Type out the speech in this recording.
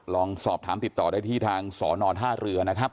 ลองสอบถามติดต่อได้ที่ทางสนท่าเรือนะครับ